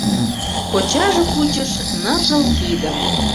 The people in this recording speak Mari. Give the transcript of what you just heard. ...Кочаже кучыш ныжыл кидым